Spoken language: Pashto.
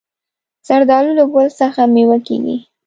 زردالو له ګل څخه مېوه کېږي.